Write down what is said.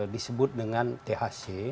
disebut dengan thc